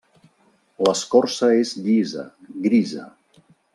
L'escorça és llisa, grisa.